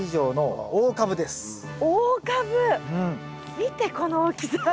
見てこの大きさ。